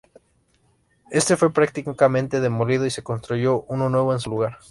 Éste fue prácticamente demolido y se construyó uno nuevo en su lugar.